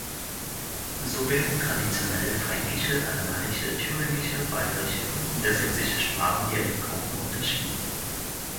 So werden traditionell fränkische, alemannische, thüringische, bairische und niedersächsische Sprach- und Dialektgruppen unterschieden.